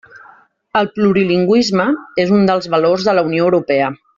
El plurilingüisme és un dels valors de la Unió Europea.